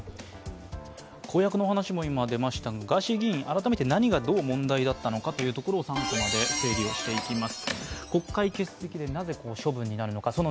公約の話も出ましたが、ガーシー議員、改めて何がどう問題だったのか３コマで整理していきます。